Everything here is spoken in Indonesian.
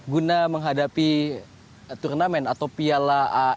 guna menghadapi turnamen atau piala af